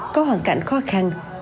có hoàn cảnh khó khăn